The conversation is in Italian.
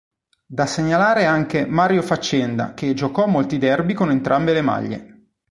Da segnalare anche Mario Faccenda che giocò molti derby con entrambe le maglie.